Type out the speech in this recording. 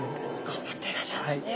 頑張っていらっしゃるんですね。